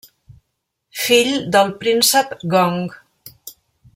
Fill del príncep Gong.